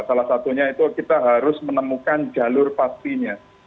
salah satunya itu kita harus menemukan jalur pastinya